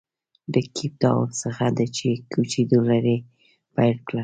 له کیپ ټاون څخه د کوچېدو لړۍ پیل کړه.